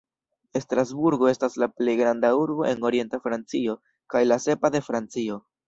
Strasburgo estas la plej granda urbo en orienta Francio, kaj la sepa de Francio.